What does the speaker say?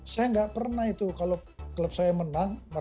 saya nggak pernah itu kalau klub saya menang